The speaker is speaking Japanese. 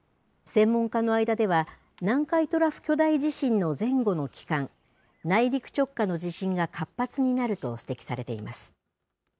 専門家の間では、南海トラフ巨大地震の前後の期間、内陸直下の地震が活発になると指摘されています。